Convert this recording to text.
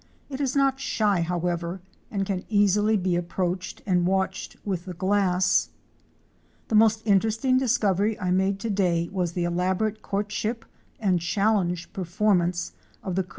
It is not shy however and can easily be approached and watched with the glass. The most interesting discovery I made to day was the elaborate courtship and challenge performance of the Crested Curassow.